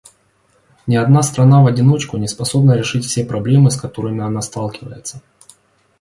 Ни одна страна в одиночку не способна решить все проблемы, с которыми она сталкивается.